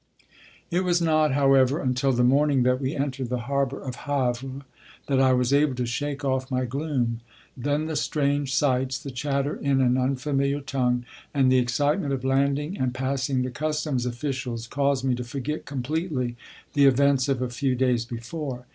It was not, however, until the morning that we entered the harbor of Havre that I was able to shake off my gloom. Then the strange sights, the chatter in an unfamiliar tongue, and the excitement of landing and passing the customs officials caused me to forget completely the events of a few days before.